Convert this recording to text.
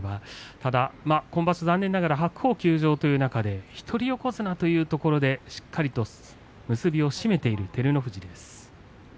ただ今場所残念ながら白鵬休場という中で一人横綱でしっかりと結びを締めている照ノ富士です。